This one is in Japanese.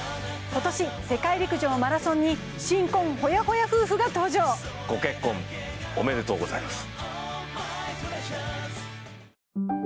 今年世界陸上マラソンに新婚ホヤホヤ夫婦が登場ご結婚おめでとうございます